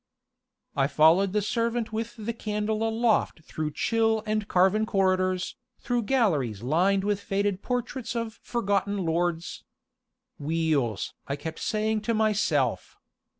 I followed the servant with the candle aloft through chill and carven corridors, through galleries lined with faded portraits of forgotten lords. "Wheels!" I kept saying to myself.